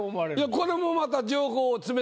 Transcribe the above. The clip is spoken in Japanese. これもまたええ！